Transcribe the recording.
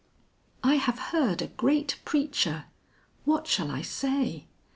"I have heard a great preacher! What shall I say?